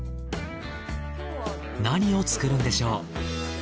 何を作るんでしょう？